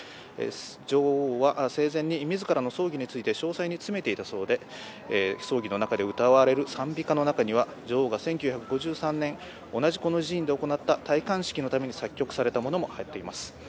女王は生前に自らの葬儀について詳細に詰めていたそうで葬儀の中で歌われる賛美歌の中には、女王が１９５３年、同じこの寺院で行われた戴冠式のために作曲されたものも入っています。